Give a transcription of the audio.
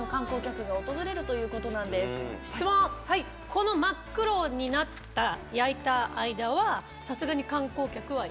この真っ黒になった焼いた間はさすがに。